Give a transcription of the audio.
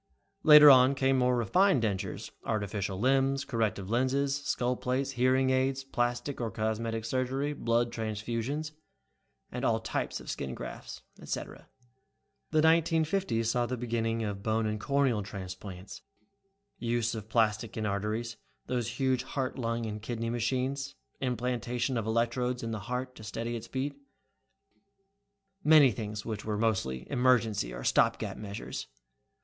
Later on came more refined dentures, artificial limbs, corrective lenses, skull plates, hearing aids, plastic or cosmetic surgery, blood transfusions, all types of skin grafts, et cetera. "The 1950s saw the beginning of bone and corneal transplants, use of plastics in arteries, those huge heart lung and kidney machines, implantation of electrodes in the heart to steady its beat many things which were mostly emergency or stop gap measures.